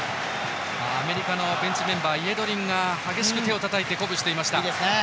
アメリカのベンチメンバーイェドリンが手をたたいて激しく鼓舞していた姿もありました。